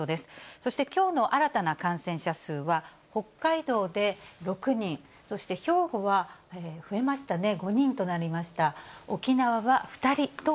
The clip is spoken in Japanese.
そしてきょうの新たな感染者数は、北海道で６人、そして兵庫は増えましたね、５人となりました。